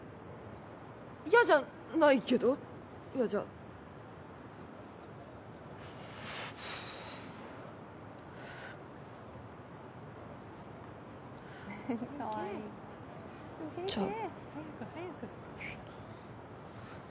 嫌じゃないけどじゃあ。